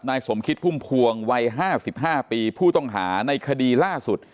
สมคิดพุ่มพวงวัย๕๕ปีผู้ต้องหาในคดีล่าสุด